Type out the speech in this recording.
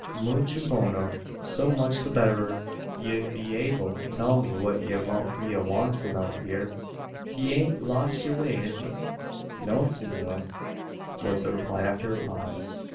Moocho bono so much the betterer. Ye'll be able to tell me what ye mout be a wantin' out hyur. Ye hain't lost yur way, hev ye?" "No, senor," was the reply, after a pause.